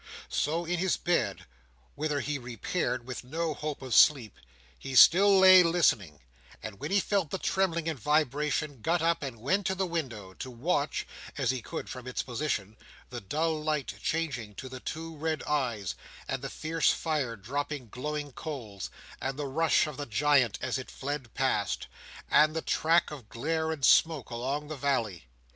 So in his bed, whither he repaired with no hope of sleep. He still lay listening; and when he felt the trembling and vibration, got up and went to the window, to watch (as he could from its position) the dull light changing to the two red eyes, and the fierce fire dropping glowing coals, and the rush of the giant as it fled past, and the track of glare and smoke along the valley.